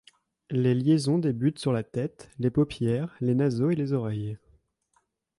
Les lésions débutent sur la tête, les paupières, les naseaux et les oreilles.